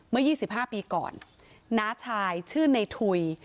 เมื่อ๒๕ปีก่อนน้าชายชื่อในถุย